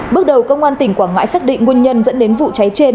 bước đầu công an tỉnh quảng ngãi xác định nguyên nhân dẫn đến vụ cháy trên